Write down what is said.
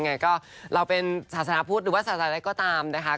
ไงก็เราเป็นศาสนาพุทธหรือว่าศาสนาอะไรก็ตามนะคะ